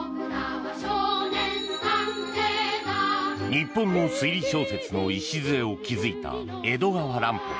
日本の推理小説の礎を築いた江戸川乱歩。